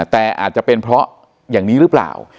แต่อาจจะเป็นเพราะอย่างนี้หรือเปล่า